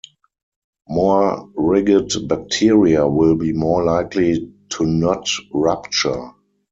More rigid bacteria will be more likely to not rupture.